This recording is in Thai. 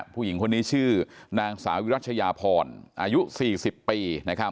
ผู้หญิงคนนี้ชื่อนางสาวิรัชยาพรอายุ๔๐ปี